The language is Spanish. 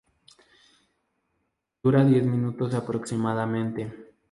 Dura diez minutos aproximadamente.